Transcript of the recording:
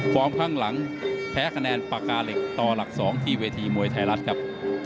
ข้างหลังแพ้คะแนนปากกาเหล็กต่อหลัก๒ที่เวทีมวยไทยรัฐครับ